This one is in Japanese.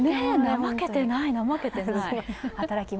怠けてない、怠けてない。